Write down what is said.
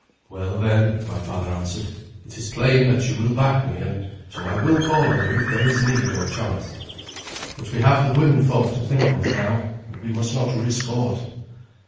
"Well, then," my father answered, "it is plain that you will back me, and so I will call on you if there is need or chance. But we have the women folk to think of now, and we must not risk aught."